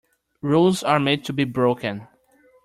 Rules are made to be broken.